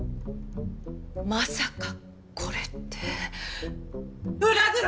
まさかこれって裏口！？